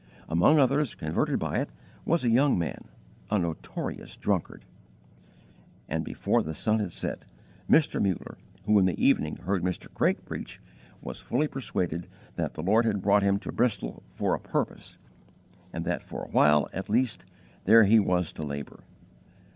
Among others converted by it was a young man, a notorious drunkard. And, before the sun had set, Mr. Muller, who in the evening heard Mr. Craik preach, was fully persuaded that the Lord had brought him to Bristol for a purpose, and that for a while, at least, there he was to labour.